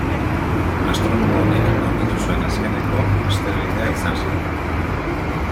Astronomo honek aurkitu zuen azkeneko asteroidea izan zen.